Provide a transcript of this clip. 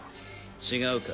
違うか？